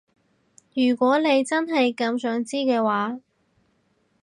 如果你真係咁想知嘅話